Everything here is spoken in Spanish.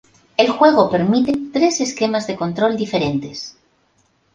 El juego permite tres esquemas de control diferentes.